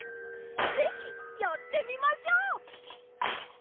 ぜひやってみましょう！